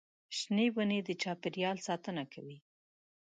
د شنې ونې د چاپېریال ساتنه کوي.